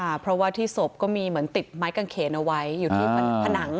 เพราะว่าที่ศพก็มีเหมือนติดไม้กางเขนเอาไว้อยู่ที่ผนัง